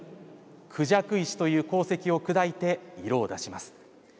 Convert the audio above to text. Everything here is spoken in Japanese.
孔雀石という鉱石を砕いて色を出します。